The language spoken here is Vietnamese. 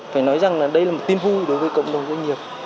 phải nói rằng đây là một tiêm hưu đối với cộng đồng doanh nghiệp